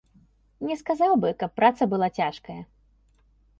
Не сказаў бы, каб праца была цяжкая.